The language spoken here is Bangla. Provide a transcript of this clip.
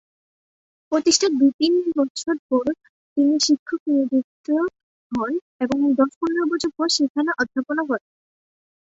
প্রতিষ্ঠার দুই/তিন বছর পর তিনি শিক্ষক নিযুক্ত হন এবং দশ/পনেরাে বছর সেখানে অধ্যাপনা করেন।